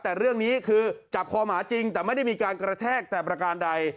แต่เรื่องนี้คือจับคอหมาจริงแต่ไม่ได้มีการกระแทกแต่ประการใด